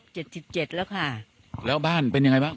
เจ็ดสิบเจ็ดแล้วค่ะแล้วบ้านเป็นยังไงบ้าง